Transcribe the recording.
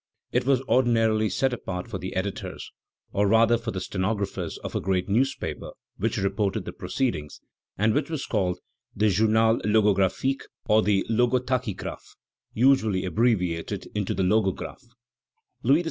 It was ordinarily set apart for the editors, or rather for the stenographers of a great newspaper which reported the proceedings, and which was called the Journal logographique, or the Logotachygraphe, usually abbreviated into the Logographe. Louis XVI.